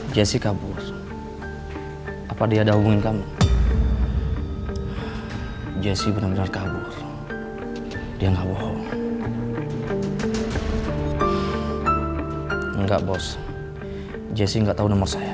jessica bos apa dia dahulunya kamu jessica berkabut dia ngomong enggak bos jessica tahu